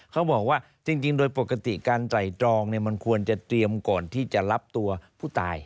เขาบอกว่าจริงโดยปกติการไตรตรองมันควรจะเตรียมก่อนที่จะรับตัวผู้ตาย